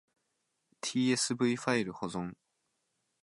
tsv ファイル保存